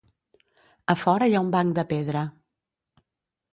A fora hi ha un banc de pedra.